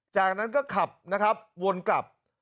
จากนั้นก็ขับนะครับวนกลับ